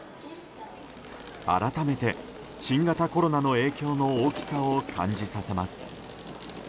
改めて、新型コロナの影響の大きさを感じさせます。